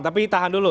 tapi tahan dulu